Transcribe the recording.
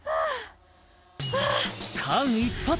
間一髪！